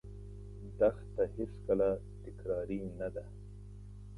دښته هېڅکله تکراري نه ده.